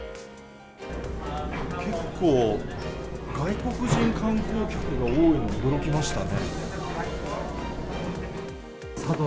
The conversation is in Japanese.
結構、外国人観光客の方が多いのに驚きましたね。